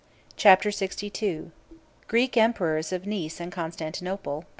] Chapter LXII: Greek Emperors Of Nice And Constantinople.